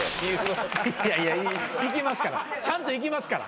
いやいやいきますからちゃんといきますから。